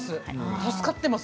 助かってます。